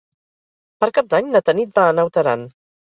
Per Cap d'Any na Tanit va a Naut Aran.